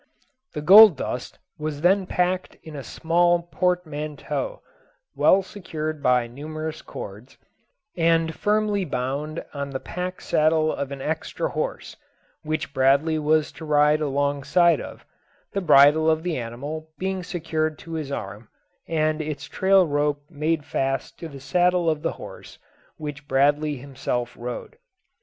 The gold dust was then packed in a small portmanteau well secured by numerous cords, and firmly bound on the pack saddle of an extra horse, which Bradley was to ride alongside of, the bridle of the animal being secured to his arm, and its trail rope made fast to the saddle of the horse which Bradley himself rode.